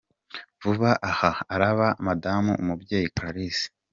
Vuba aha, araba Madamu Umubyeyi Clarisse.